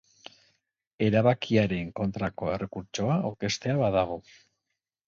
Erabakiaren kontrako errekurtsoa aurkeztea badago.